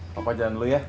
papa jalan dulu ya